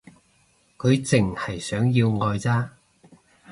佢淨係想要愛咋